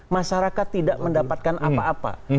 masyarakat tidak mendapatkan apa apa